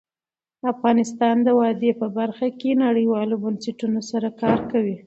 افغانستان د وادي په برخه کې نړیوالو بنسټونو سره کار کوي.